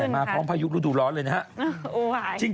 มาพร้อมพายุฤดูร้อนเลยนะครับ